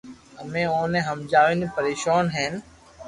امو اوني ھمجاوين پريݾون ھين